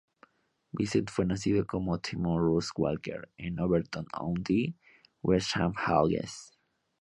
Vincent fue nacido como Timothy Russell Walker en Overton-on-Dee, Wrexham, Gales.